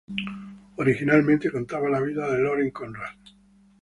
Originalmente contaba la vida de Lauren Conrad.